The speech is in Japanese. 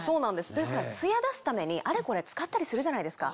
ツヤ出すためにあれこれ使ったりするじゃないですか。